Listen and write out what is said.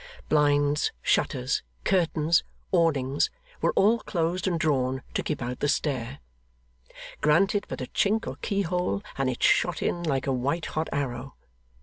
Blinds, shutters, curtains, awnings, were all closed and drawn to keep out the stare. Grant it but a chink or keyhole, and it shot in like a white hot arrow.